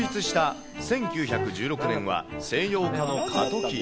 創立した１９１６年は西洋化の過渡期。